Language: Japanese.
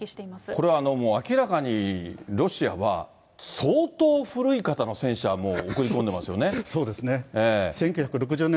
これは明らかにロシアは相当古い方の戦車を送り込んでいますそうですね。